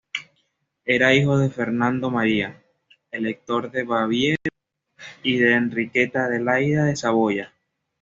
Era hijo de Fernando María, Elector de Baviera y de Enriqueta Adelaida de Saboya.